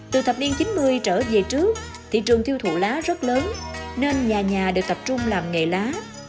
từ thập niên chín mươi trở về trước thị trường thiêu thụ lá rất lớn nên nhà nhà đều tập trung làm nghề lá